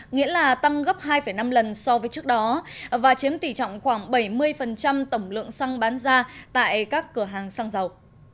nghĩa là tăng gấp hai năm lần so với trước đó và chiếm tỷ trọng khoảng bảy mươi tổng lượng xăng bán ra tại các cửa hàng xăng dầu